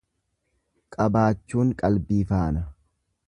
Qabaachuun qalbii faana.